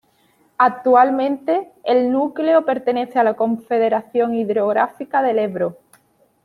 Actualmente, el núcleo pertenece a la Confederación Hidrográfica del Ebro.